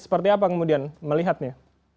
seperti apa kemudian melihatnya